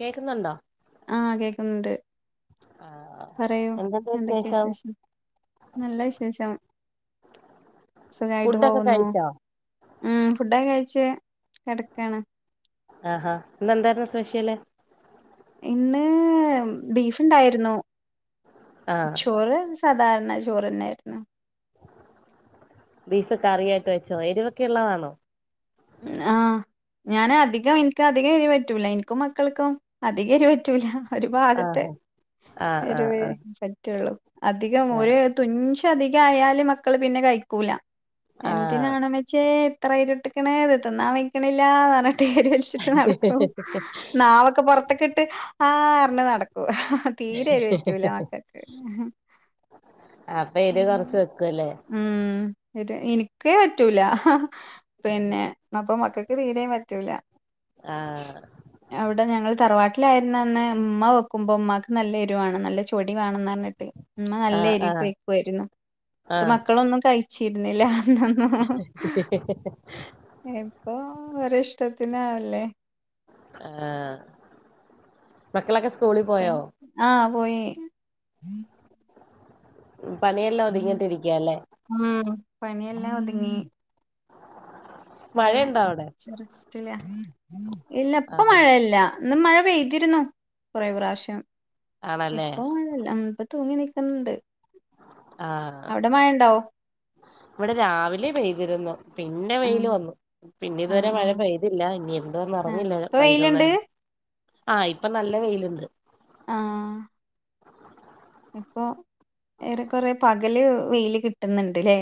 കേക്കുന്നുണ്ടോ ആഹ് കേക്കുന്നുണ്ട് ആ പറയൂ എന്തൊക്കെയാ വിശേഷം നല്ല വിശേഷം സുഖമായിട്ട് ഫുഡൊക്കെ പോകുന്നു കഴിച്ചോ ഉം ഫുഡൊക്കെ കഴിച്ച് കിടക്കാണ് ആ ആ ഇന്നെന്തായിരുന്നു സ്പെഷ്യല് ഇന്ന് ബീഫ് ഇണ്ടായിരുന്നു ആ ചോറ് സാധാരണ ചോറ് തന്നെയായിരുന്നു ബീഫ് കറി ആയിട്ട് വെച്ചൊ എരിവൊക്കെ ഉള്ളതാണോ ആഹ് ഞാന് അധികം എനിക്ക് അധികം എരി പറ്റൂല്ല എനിക്കും മക്കൾക്കും അധികം എരി പറ്റൂല്ല ഒരു ഭാഗത്ത് ആഹാ ആ ആ എരുവേ ആ പറ്റൂള്ളൂ അധികം ആ ഒരു തുഞ്ച് അധികം ആയാല് മക്കള് പിന്നെ കഴിക്കൂല ആ എന്തിനാണ് ഉമ്മച്ചിയെ ഇത്രയും എരി ഇട്ടിക്കണ ഇത് തിന്നാൻ പറ്റണില്ല എന്ന് പറഞ്ഞ് എരി വലിച്ചിട്ട് നടക്കും നാവൊക്കെ പൊറത്തൊക്കെ ഇട്ട് ആ പറഞ്ഞ് നടക്കും ആഹ് തീരെ എരു പറ്റൂല മക്കക്ക്. അപ്പൊ എരിവ് കൊറച്ച് വെക്കുവല്ലേ ഉം ഒര് എനിക്കേ പറ്റൂല പിന്നെ അപ്പൊ മക്കക്ക് തീരയും പറ്റൂല. ആ അവിടെ ഞങ്ങൾ തറവാട്ടി ലായിരുന്നന്ന് ഉമ്മ വെക്കുമ്പോൾ ഉമ്മാക്ക് നല്ല എരുവാണ് നല്ല ചു പ്പൊടി വേണംന്ന് പറഞ്ഞിട്ട് ഉമ്മ ആ നല്ല ആ എരിട്ട് വെക്കുവാരുന്നു. ആ ആ ട്ട് മക്കളൊന്നും കഴി ച്ചിരുന്നില്ല [unintelligible] ഇപ്പൊ അവരെ ഇഷ്ടത്തിനാവല്ലേ? ആഹ് മക്കളൊക്കെ സ്കൂളിൽ പോയോ? പോയെ പണിയെല്ലാം ഒതുങ്ങീട്ടിരിക്കാല്ലെ? ഉം പണിയെല്ലാം ഒതുങ്ങി. പിന്നെ മഴയുണ്ടോ അവിടെ കുറച്ച് റെസ്റ്റില. ഇല്ല ആ ഇപ്പ മഴയില്ല ഇന്ന് മഴ പെയ്തിരുന്നു. കൊറെ പ്രാവശ്യം ആണല്ലേ ഇപ്പ മഴ ഇല്ല ഉം ഇപ്പ തൂങ്ങി നിക്കുന്നുണ്ട്. ആഹ് അവിടെ മഴ ഇണ്ടാവോ ഇവിടെ രാവിലെ പെയ്തിരുന്നു. പിന്നെ ആ വെയിൽ വന്നു പിന്നെ ആ ഇതുവരെ ആ മഴ പെയ്തില്ല ഇനി എന്ത വന്നന്ന് ആ അറിഞ്ഞില്ല ഇപ്പൊ വെയിലുണ്ട് വൈകുന്നേരം. ആഹ് ഇപ്പൊ നല്ല വെയിലുണ്ട്. ആഹ് ഇപ്പൊ ഏറെ കൊറെ പകല് വെയില് കിട്ടുന്നുണ്ട്ല്ലേ?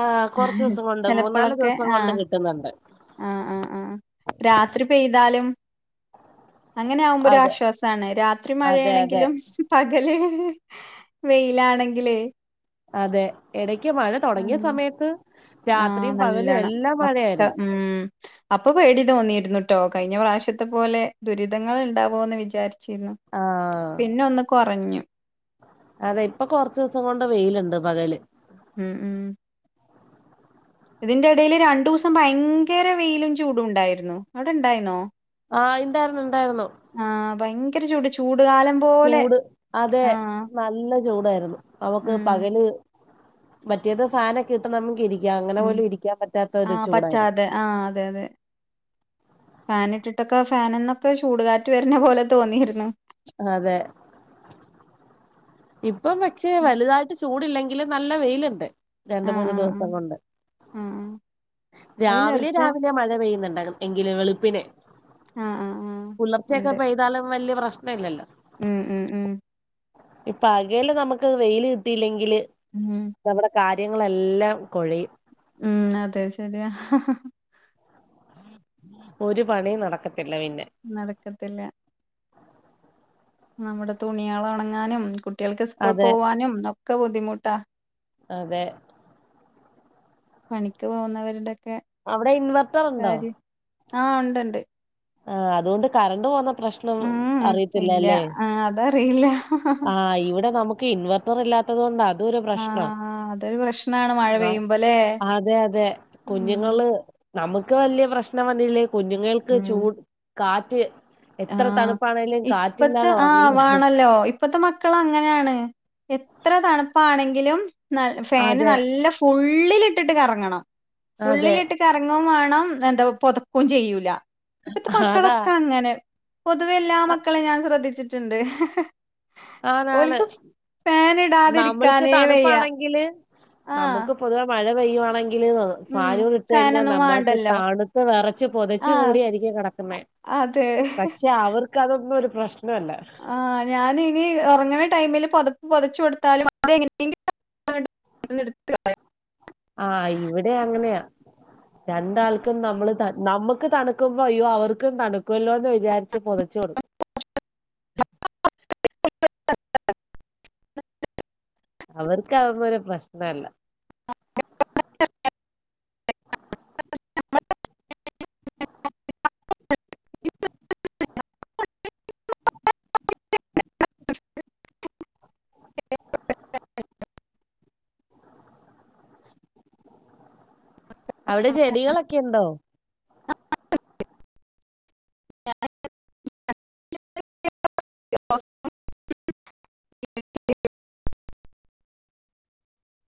ആഹ് കുറച്ചുസം കൊണ്ടും മൂന്നാല് ദിവസം കൊണ്ടും കിട്ടുന്നുണ്ട്. ആഹ് ആഹ് ആഹ് രാത്രി പെയ്താലും അങ്ങനെ ആകുമ്പോ ഒരു അതെ ആശ്വാസമാണ് രാത്രി അതെ അതെ മഴയാണെങ്കിലും പകല് വെയിലാണെങ്കിലേ അതെ എടക്ക് മഴ ഉം തുടങ്ങിയ സമയത്ത് ആഹ് രാത്രിയും പകലും നല്ലോണം എല്ലാം മഴയായിരുന്നു പെടി തോന്നിയിരുന്നുട്ടോ കഴിഞ്ഞ പ്രാവശ്യത്തെ പോലെ ദുരിതങ്ങൾ ഉണ്ടാവോ എന്ന് വിചാരിച്ച് ആഹ് അതെ ഇപ്പൊ കൊറച്ച് ദിവസം കൊണ്ട് വെയില്ണ്ട് പകല് ഉം ഉം ഇതിന്റെ ഇടേൽ രണ്ടു ദിവസം ഭയങ്കര വെയിലും ചൂടും ഉണ്ടായിരുന്നു അവിടെ ഇണ്ടായിന്നോ ആഹ് ഇണ്ടായിരുന്നു ഇണ്ടായിരുന്നു ആഹ് ഭയങ്കര ചൂട് ചൂടുകാലം പോലെ ചൂട് അതെ ആഹ് നല്ല ചൂടായിരുന്നു നമുക്ക് ഉം പകല് മറ്റേത് ഫാനൊക്കെ ഇട്ട് നമുക്ക് ഇരിക്ക [unintelligible] അങ്ങനെ ഉം പോലും ഇരിക്കാൻ പറ്റാത്ത ഒരു ആഹ് ചൂടായിരുന്നു ഫാന ഇട്ടിട്ടൊക്കെ ഫാനന്നൊക്കെ ചൂടുകാറ്റ് വരുന്ന പോലെ തോന്നിയിരുന്നു അതെ ഇപ്പം പക്ഷെ വലുതായിട്ട് ചൂടല്ലെങ്കില് നല്ല വെയിലുണ്ട് രണ്ട് ആഹ് മൂന്ന് ആഹ് ആഹ് ദിവസം കൊണ്ട് ആഹ് രാവിലെ വെയിലറച്ച രാവിലെ മഴ പെയ്യുന്ന്ണ്ട് എങ്കില് വെളുപ്പിനെ ആഹ് ആഹ് ആഹ് പുളർച്ചയൊക്കെ ഉണ്ട് പെയ്താലും വല്ല്യ പ്രശ്ന ഇല്ലല്ലോ ഉം ഉം ഉം ഇപ്പൊ ആകയില് നമുക്ക് വെയിയില് കിട്ടിയില്ലെങ്കില് ഉം നമ്മടെ കാ കദ്യങ്ങളെല്ലാം കൊഴയും ആഹ് ഒരു പണി നടക്കത്തി നടക്കത്തില്ല നമ്മുടെ തുണികള ഒണങ്ങാനും കുട്ടികൾക്ക് സ്കൂൾ അതെ പോവാനുംന്നൊക്കെ ബുദ്ധിമുട്ടാ അതെ. പണിക്ക് പോകുന്നവരുടെ അവിടെ ഇൻവെർട്ടർ ഉണ്ടോ ആഹ് ഉണ്ട് ഉണ്ട് ആഹ് അതുകൊണ്ട് കറണ്ട് പോന്ന പ്രശ്നം ഉം ഇല്ല അറിയത്തില്ലല്ലേ ആ അതറിയില്ല ആഹ് ഇവിടെ നമുക്ക് ഇൻവർ ഇല്ലാത്തത് കൊണ്ടാ ഇതരു ആ പ്രശ്ന അതൊരു പ്രശ്നാണ് മഴ ആ പെയ്യുമ്പോല്ലേ അതെ അതെ ഉം കുഞ്ഞുങ്ങള് നമുക്ക് വലിയ പ്രശ്നം വന്നില്ലേ കുഞ്ഞുങ്ങ ഉം ചൂട് കാറ്റ് ആ എത്ര തണുപ്പാണ് ഇപ്പത്തെ ആഹ് വാണല്ലോ ഇപ്പത്തെ മക്കൾ അങ്ങനെണ് എത്ര തണുപ്പാണെങ്കിലും ന ഫാന് അതെ നല്ല ഫുള്ളിലിട്ടിട്ട് കറങ്ങണം അതെ ഫുള്ളിലിട്ട് കറങ്ങും വേണം എന്താ പൊതക്കും ചെയ്യൂല ഇപ്പത്തെ അതാ മക്കളൊക്കെ അങ്ങനെ പൊതുവെ എല്ലാ മക്കളെയും ഞാൻ ശ്രദ്ധിച്ചിട്ടുണ്ട് ആതാണ് ഓൽക്ക് ഫാൻ നമ്മൾക്ക് ഇടാതിരിക്കാനേ വയ്യ തണുപ്പാണെങ്കില് ആഹ് നമുക്ക് പൊതുവെ മഴ പെയ്യ [unintelligible] ഉം ഫാലൂ ഇട്ട കഴിഞ്ഞാൽ ഫാനൊന്നും നമ്മായിട്ട് വാണ്ടല്ലോ താണുത്ത വെറച്ച് പൊതച്ച് ആഹ് കൂടി ആയിരിക്കും കിടക്കുന്നേ അതെ പക്ഷെ അവർക്ക് അതൊന്ന ഒരു പ്രശ്നമല്ല ആഹ് ഞാന് [unintelligible] ഒറങ്ങ്ണ ടൈമിൽ പതപ്പ് പതച്ചു കൊടുത്താലും അത് എങ്ങനെയെങ്കില [unintelligible] ആഹ് ഇവിടെ അങ്ങനെയാ രണ്ടാൾക്കും നമ്മള് നമ്മുക്ക് തണുക്കുമ്പോ അയ്യോ അവർക്കും തണുക്കുമല്ലോ എന്ന് വിചാരിച്ച് പൊതച്ചു കൊടുക്കും [inaudible] അവർക്ക് അവ പോല പ്രശ്നമല്ല നമ്മള് അവിടെ ചെടികളൊക്കെ ഉണ്ടോ? [inaudible] [inaudible] അ